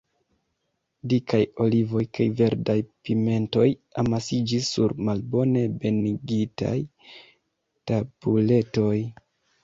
Dikaj olivoj kaj verdaj pimentoj amasiĝis sur malbone ebenigitaj tabuletoj.